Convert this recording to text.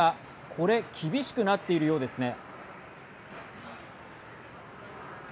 これ厳しくなっているようですね。